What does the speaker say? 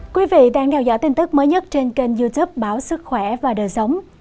các bạn đang theo dõi tin tức mới nhất trên kênh youtube báo sức khỏe và đời sống